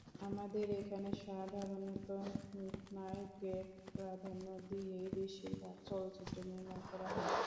আমাদের এখানে সাধারণত নায়ককে প্রাধান্য দিয়েই বেশির ভাগ চলচ্চিত্র নির্মাণ করা হয়।